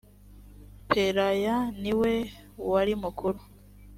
pelaya niwe warimukuru.